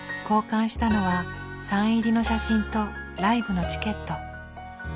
交換したのはサイン入りの写真とライブのチケット。